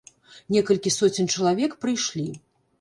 Некалькі соцень чалавек прыйшлі.